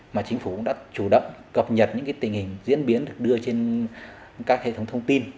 mà chính phủ cũng đã chủ động cập nhật những tình hình diễn biến được đưa trên các hệ thống thông tin